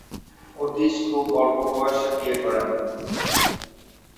অতীশ খুব অল্প বয়সে বিয়ে করেন।